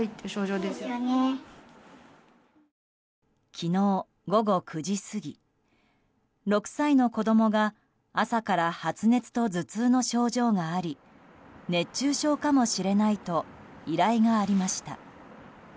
昨日午後９時過ぎ６歳の子供が朝から発熱と頭痛の症状があり熱中症かもしれないと依頼がありました。